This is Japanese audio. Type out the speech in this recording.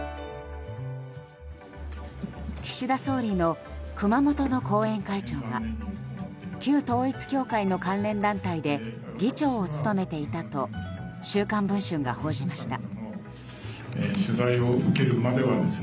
岸田総理の熊本の後援会長が旧統一教会の関連団体で議長を務めていたと「週刊文春」が報じました。